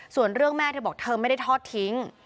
ส่วนเรื่องแม่เธอบอกเธอไม่ได้ทอดทิ้ง